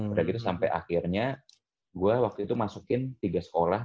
udah gitu sampe akhirnya gue waktu itu masukin tiga sekolah